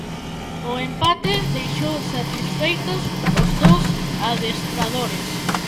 O empate deixou satisfeitos os dous adestradores.